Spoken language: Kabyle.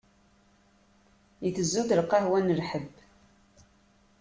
Itezzu-d lqahwa n lḥebb.